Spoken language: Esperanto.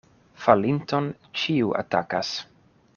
Falinton ĉiu atakas.